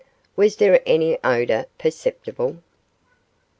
Was there any odour perceptible?